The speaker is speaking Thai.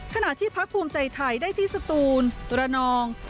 ขณะที่พักภูมิใจไทยได้ที่สตูนตระนอง